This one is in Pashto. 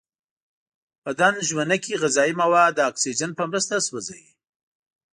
بدن ژونکې غذایي مواد د اکسیجن په مرسته سوځوي.